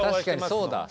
確かにそうだ。